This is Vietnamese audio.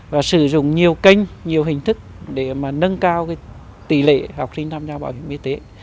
và sử dụng nhiều kênh nhiều hình thức để nâng cao tỷ lệ học sinh tham gia bảo hiểm y tế